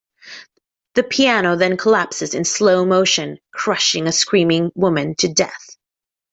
The piano then collapses in slow motion, crushing a screaming woman to death.